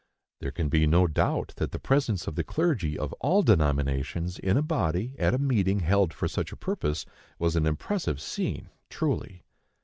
There can be no doubt that the presence of the clergy of all denominations, in a body, at a meeting held for such a purpose, was an impressive scene, truly!